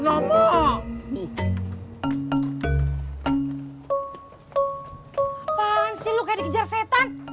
apaan sih lu kayak dikejar setan